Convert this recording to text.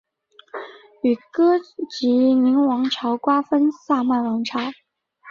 与哥疾宁王朝瓜分萨曼王朝。